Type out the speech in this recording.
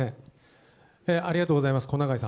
ありがとうございます。